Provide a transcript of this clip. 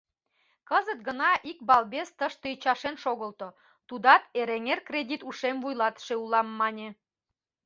Кызыт гына ик балбес тыште ӱчашен шогылто, тудат Эреҥер кредит ушем вуйлатыше улам мане.